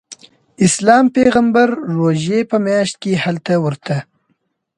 اسلام پیغمبر روژې په میاشت کې هلته ورته.